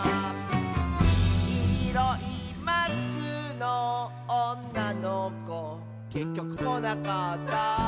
「きいろいマスクのおんなのこ」「けっきょくこなかった」